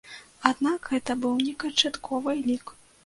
Аднак гэта быў не канчатковы лік.